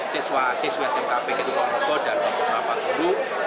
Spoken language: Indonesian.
siswa siswa smk pgri dua ponorogo dan beberapa guru